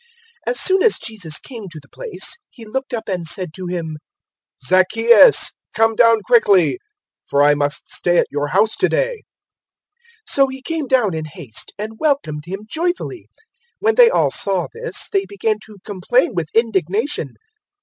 019:005 As soon as Jesus came to the place, He looked up and said to him, "Zacchaeus, come down quickly, for I must stay at your house to day." 019:006 So he came down in haste, and welcomed Him joyfully. 019:007 When they all saw this, they began to complain with indignation.